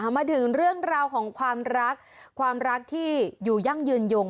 มาถึงเรื่องราวของความรักความรักที่อยู่ยั่งยืนยง